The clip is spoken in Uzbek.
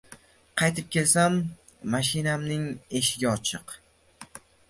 Qaytib kelsam, mashinamning eshigi ochiq.